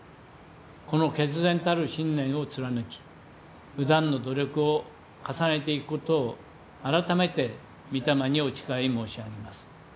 この決然たる信念を貫き不断の努力を重ねていくことを改めて御霊にお誓い申し上げます。